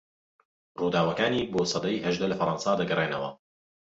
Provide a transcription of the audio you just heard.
رووداوەکانی بۆ سەدەی هەژدە لە فەڕەنسا دەگەرێنەوە